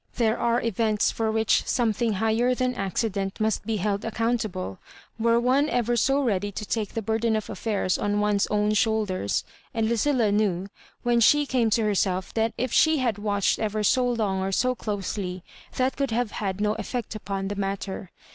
There are events for which something higher than accident must be held accountable, wer^ one ever so ready to take the burden of affairs on one's own shoulders ; and Lucilla knew, when she came to herself, that if she had watched ever so long or so closely, that could have had no effect upon the matter.